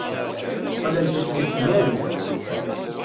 Qqlent-d seg tnarit.